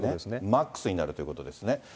マックスになるということですね。